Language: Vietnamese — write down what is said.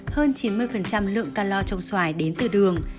hơn chín mươi lượng calor trong xoài đến từ đường